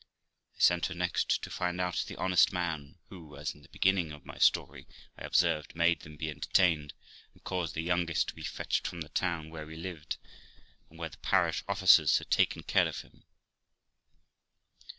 I sent her next to find out the honest man who, as in the beginning of my story I observed, made them be entertained, and caused the youngest to be fetched from the town where we lived, and where the parish officers had taken care of him.